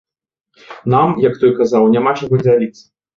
Нам, як той казаў, няма чаго дзяліць.